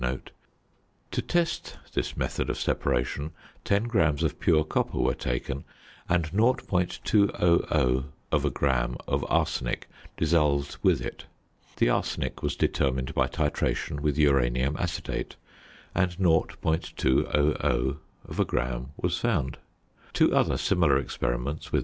To test this method of separation 10 grams of pure copper were taken and 0.200 gram of arsenic dissolved with it. The arsenic was determined by titration with uranium acetate, and 0.200 gram was found. Two other similar experiments with 0.